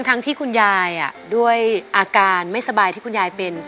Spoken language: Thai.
ทั้งที่คุณยายด้วยอาการไม่สบายที่คุณยายเป็น